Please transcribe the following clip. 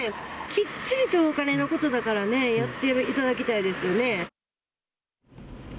きっちりとお金のことだからね、やっていただきたいですよね。